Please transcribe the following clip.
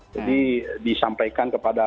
jadi disampaikan kepada